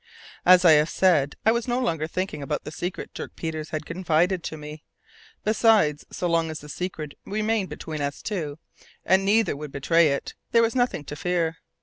As I have said, I was no longer thinking about the secret Dirk Peters had confided to me. Besides, so long as the secret remained between us two and neither would betray it there would be nothing to fear.